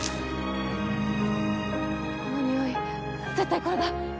この匂い絶対これだ！